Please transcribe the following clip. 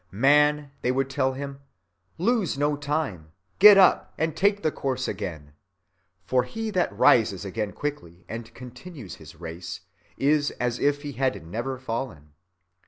Man (they would tell him), lose no time, get up and take the course again, for he that rises again quickly and continues his race is as if he had never fallen.